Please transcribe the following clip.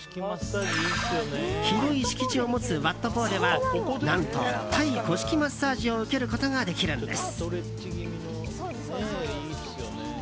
広い敷地を持つワット・ポーでは何と、タイ古式マッサージを受けることができるんです。